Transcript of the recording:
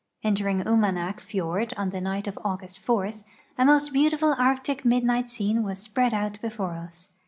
Entering Umanak fiord on the night of August 4, a most beautiful Arctic midnight scene was spread out before us.